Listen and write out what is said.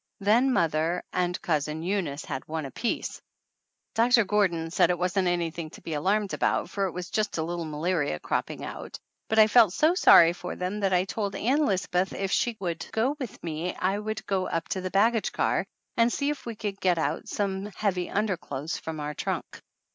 Then mother and Cousin Eunice had one apiece. Doctor Gordon said it wasn't anything to be alarmed about, for it was just a little malaria cropping out, but I 267 THE ANNALS OF ANN felt so sorry for them that I told Ann Lisbeth if she would go with me I would go up to the baggage car and see if we could get out some heavy underclothes from our trunk.